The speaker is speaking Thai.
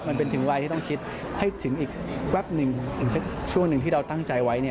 มันเป็นถึงวัยที่ต้องคิดให้ถึงอีกแควบหนึ่งช่วงหนึ่งที่เราตั้งใจไว้เนี่ย